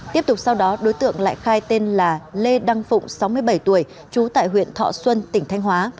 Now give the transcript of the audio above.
tiếp tục sau đó đối tượng lại khai tên là lê đăng phụng sáu mươi bảy tuổi trú tại huyện thọ xuân tỉnh thanh hóa